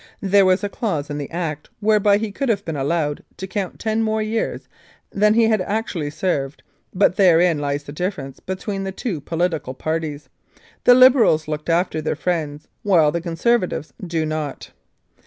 There was a clause in the Act whereby he could have been allowed to count ten more years than he had actually served, but therein lies the difference between the two political parties. The Liberals look after their friends, while the Conservatives do not.